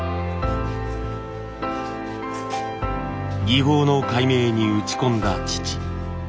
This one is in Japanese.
技法の解明に打ち込んだ父。